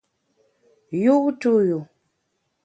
Yu’ tu yu.